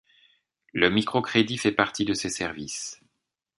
Le microcrédit fait partie de ces services.